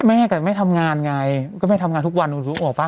แม่ก็ไม่ทำงานไงก็ไม่ทำงานทุกวันรู้หรือเปล่า